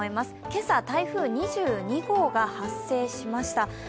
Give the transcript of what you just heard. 今朝、台風２２号が発生しました。